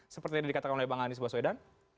seperti yang dikatakan oleh bang anies baswedan